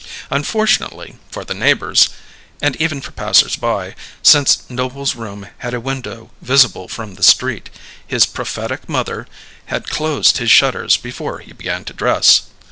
Unfortunately for the neighbours, and even for passers by, since Noble's room had a window visible from the street, his prophetic mother had closed his shutters before he began to dress.